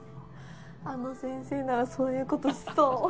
あの先生ならそういうことしそう。